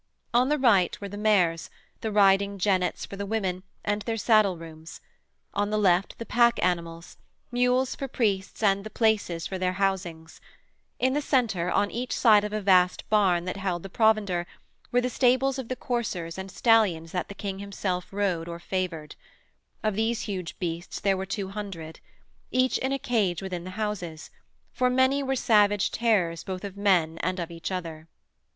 On the right were the mares, the riding jennets for the women and their saddle rooms; on the left the pack animals, mules for priests and the places for their housings: in the centre, on each side of a vast barn that held the provender, were the stables of the coursers and stallions that the King himself rode or favoured; of these huge beasts there were two hundred: each in a cage within the houses for many were savage tearers both of men and of each other.